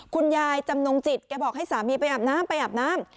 จำนงจิตแกบอกให้สามีไปอาบน้ำไปอาบน้ำ